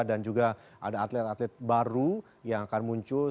dan juga ada atlet atlet baru yang akan muncul